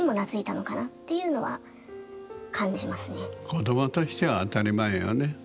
子どもとしては当たり前よね。